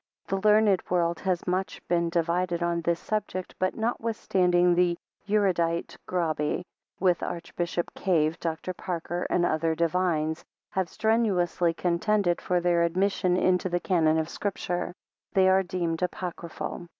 The learned world has been much divided on this subject; but, notwithstanding the erudite Grabe, with Archbishop Cave, Dr, Parker, and other divines, have strenuously contended for their admission into the canon of Scripture, they are deemed apocryphal.